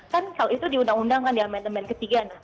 kan kalau itu diundang undang kan di amendement ketiga